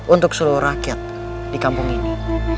untuk seluruh rakyat di kampung ini